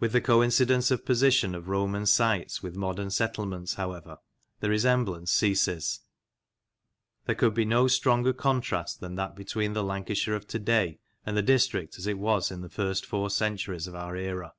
With the coincidence of position of Roman sites with modern settlements, however, the resemblance ceases. There could be no stronger contrast than that between the Lancashire of to day and the district as it was in the first four centuries of our era.